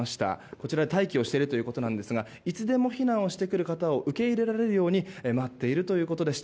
こちらで待機をしているということなんですがいつでも避難をしてくる方を受けいられるよう待っているということです。